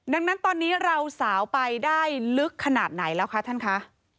ดังนั้นตอนนี้เราสาวไปได้ลึกขนาดไหนแล้วคะท่านคะ